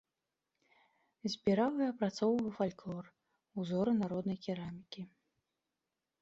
Збіраў і апрацоўваў фальклор, узоры народнай керамікі.